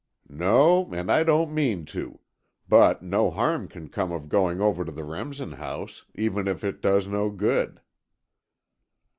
"No, and I don't mean to. But no harm can come of going over to the Remsen house, even if it does no good."